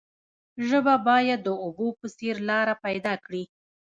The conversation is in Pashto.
ژبه باید د اوبو په څیر لاره پیدا کړي.